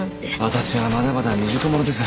私はまだまだ未熟者です。